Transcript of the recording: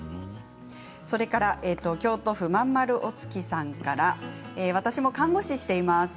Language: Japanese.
それから京都府の方私も看護師をしています。